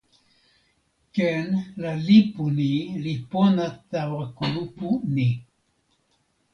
ken la lipu ni li pona tawa kulupu ni.